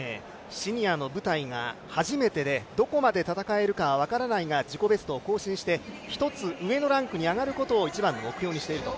シニアの舞台が初めてで、どこまで戦えるかは分からないが、自己ベストを更新して１つ上のランクに上がることを一番の目標にしていると。